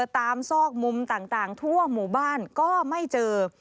ซอกมุมต่างทั่วหมู่บ้านก็ไม่เจอ